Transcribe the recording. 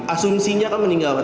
asumsinya kan meninggal pak